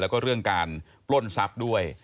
แล้วก็เรื่องการปล้นทรัพย์ด้วย